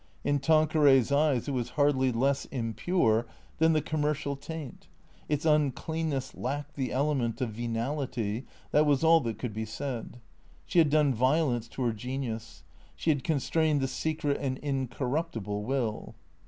In Tanqueray's eyes it was hardly less impure than the commercial taint. Its uncleanness lacked the element of venality; that was all that could be said. She had done violence to her genius. She had constrained the secret and incorruptible will.